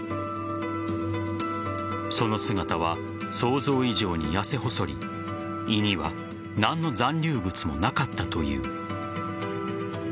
その姿は想像以上に痩せ細り胃には何の残留物もなかったという。